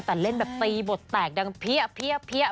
แต่เล่นแบบตีบทแตกดังเพี้ยแบบนี้เลย